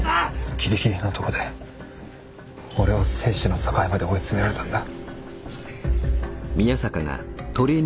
ギリギリのとこで俺は生死の境まで追い詰められたんだ。